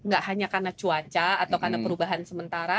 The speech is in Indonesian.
gak hanya karena cuaca atau karena perubahan sementara